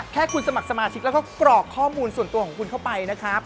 แค่คุณสมัครสมาชิกแล้วก็กรอกข้อมูลส่วนตัวของคุณเข้าไปนะครับ